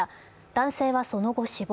男性はその後、死亡。